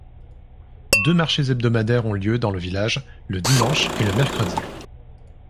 Deux marchés hebdomadaires ont lieu, dans le village, le dimanche et le mercredi.